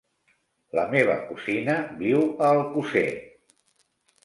La meva cosina viu a Alcosser.